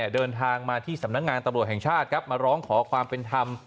เดินทางมาที่สำนักงานตำรวจแห่งชาติมาร้องขอความเป็นธรรม